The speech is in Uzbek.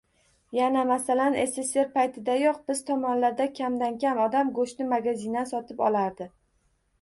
Yana, masalan, Sssr paytidayoq biz tomonlarda kamdan-kam odam go‘shtni magazindan sotib olardi